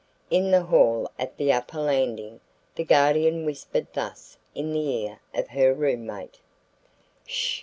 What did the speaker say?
In the hall at the upper landing, the Guardian whispered thus in the ear of her roommate: "Sh!